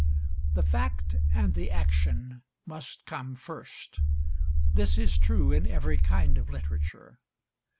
The fact and the action must come first. This is true in every kind of literature.